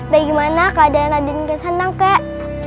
bagaimana keadaan raden ngesantang kek